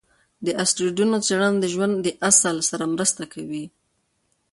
د اسټروېډونو څېړنه د ژوند د اصل سره مرسته کوي.